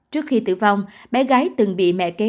trước khi tử vong bé gái từng bị mẹ kế